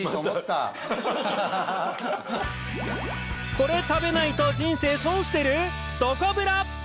これ食べないと人生損してる？